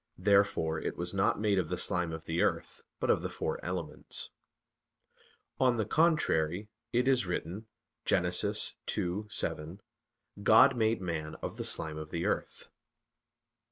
Therefore it was not made of the slime of the earth, but of the four elements. On the contrary, It is written (Gen. 2:7): "God made man of the slime of the earth."